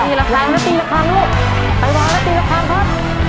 ตีราคาล้างแล้วตีราคาลูกไปล้างแล้วตีราคาครับ